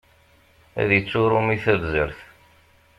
Ad ittu uṛumi tabzert.